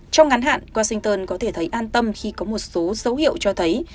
trong ngắn hạn washington có thể thấy an tâm khi có một số dấu hiệu cho thấy